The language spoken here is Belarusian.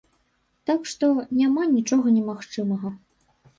Так што, няма нічога немагчымага.